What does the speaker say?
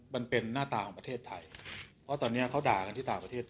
มันเป็นหน้าตาของประเทศไทยเพราะตอนนี้เขาด่ากันที่ต่างประเทศ